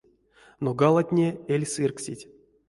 Но галатне эль сыргсить.